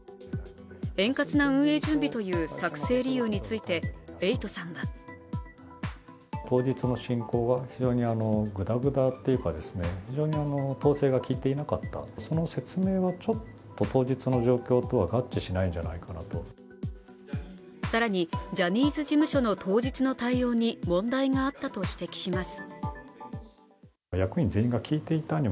円滑な運営準備という作成理由についてエイトさんは更に、ジャニーズ事務所の当日の対応に問題があったと指摘します。